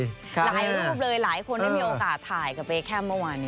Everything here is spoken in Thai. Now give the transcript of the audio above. หลายรูปเลยหลายคนได้มีโอกาสถ่ายกับเบแคมเมื่อวานนี้